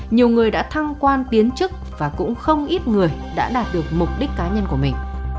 nhiều người đã thăng quan tiến chức và cũng không ít người đã đạt được mục đích cá nhân của mình